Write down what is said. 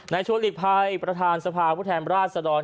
ในชวนลิภัยประธานสภาพุทธแห่มราชสะดอน